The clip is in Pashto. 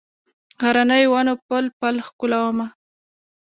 غرنیو ونو پل، پل ښکلومه